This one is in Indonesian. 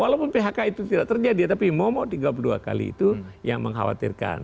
walaupun phk itu tidak terjadi tapi momok tiga puluh dua kali itu yang mengkhawatirkan